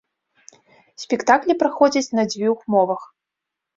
Спектаклі праходзяць на дзвюх мовах.